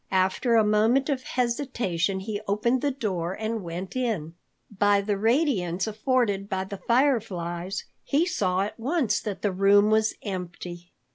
After a moment of hesitation, he opened the door and went in. By the radiance afforded by the fireflies, he saw at once that the room was empty.